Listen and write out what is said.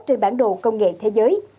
trên bản đồ công nghệ thế giới